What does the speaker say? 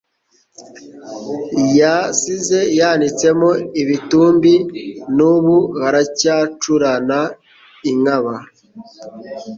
Yasize yanitsemo imitumbiN' ubu haracyacurana inkaba